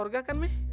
nggak ada apa apa